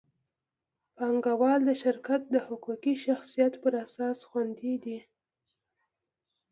پانګهوال د شرکت د حقوقي شخصیت پر اساس خوندي دي.